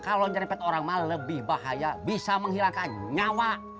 kalau ngerempet orang mah lebih bahaya bisa menghilangkan nyawa